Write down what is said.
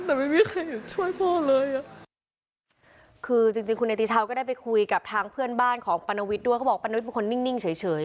แต่ไม่มีใครช่วยพ่อเลยอ่ะคือจริงจริงคุณเดทย์ชาวก็ได้ไปคุยกับทางเพื่อนบ้านของปรนวิจก็บอกมันคนนิ่งเฉย